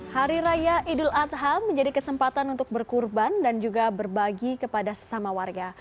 hari raya idul adha menjadi kesempatan untuk berkurban dan juga berbagi kepada sesama warga